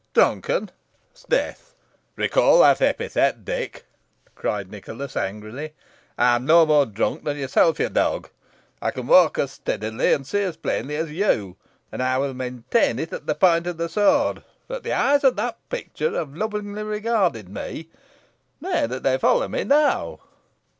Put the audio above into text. "Drunken! s'death! recall that epithet, Dick," cried Nicholas, angrily. "I am no more drunk than yourself, you dog. I can walk as steadily, and see as plainly, as you; and I will maintain it at the point of the sword, that the eyes of that picture have lovingly regarded me; nay, that they follow me now."